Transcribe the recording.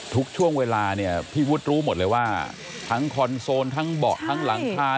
ทุกช่วงเวลาเนี่ยพี่วุฒิรู้หมดเลยว่าทั้งคอนโซลทั้งเบาะทั้งหลังคา